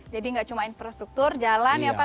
jadi nggak cuma infrastruktur jalan ya pak